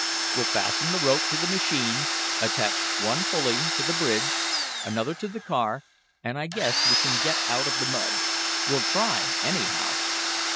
We'll fasten the rope to the machine, attach one pulley to the bridge, another to the car, and I guess we can get out of the mud. We'll try, anyhow."